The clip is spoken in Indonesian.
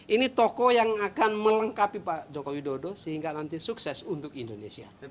ini toko yang akan melengkapi pak jokowi dodo sehingga nanti sukses untuk indonesia